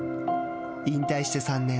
引退して３年。